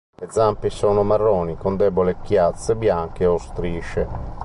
Le zampe sono marroni con deboli chiazze bianche o strisce.